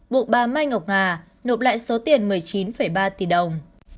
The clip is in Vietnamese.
bộ ba mai ngọc hà nộp lại số tiền một mươi chín ba tỷ đồng